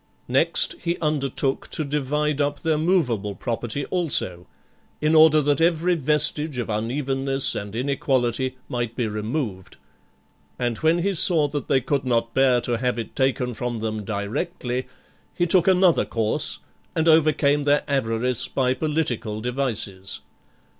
IX. Next, he undertook to divide up their movable property also, in order that every vestige of uneven ness and inequality might be removed ; and when he saw that they could not bear to have it taken from them directly, he took another course, and overcame their avarice by political devices.